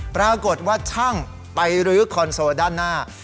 ปรากฏว่าช่างไปรื้อคอนโซลด้านหน้า